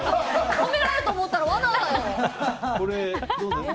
褒められたと思ったら罠だよ！